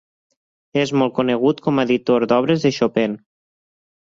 És molt conegut com a editor d'obres de Chopin.